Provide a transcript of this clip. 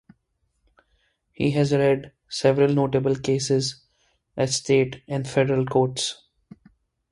He had led several notable cases at state and federal courts.